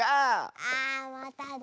あまただ。